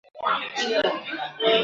هر ماښام به وو ستومان کورته راغلی !.